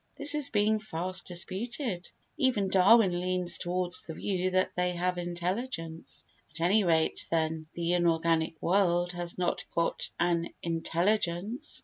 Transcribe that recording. This is being fast disputed. Even Darwin leans towards the view that they have intelligence. At any rate, then, the inorganic world has not got an intelligence.